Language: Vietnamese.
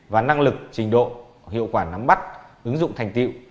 và năng lực trình độ hiệu quả nắm bắt ứng dụng thành tiệu